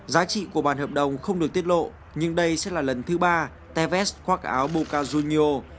giá trị của bản hợp đồng không được tiết lộ nhưng đây sẽ là lần thứ ba tevez khoác áo bucca junio